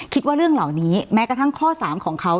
คิดว่าเรื่องเหล่านี้แม้กระทั่งข้อ๓ของเขา